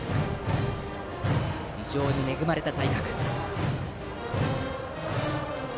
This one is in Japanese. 非常に恵まれた体格。